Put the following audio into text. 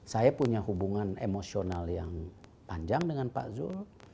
saya punya hubungan emosional yang panjang dengan pak zul